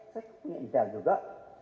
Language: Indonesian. saya punya intel juga